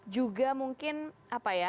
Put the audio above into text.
juga mungkin apa ya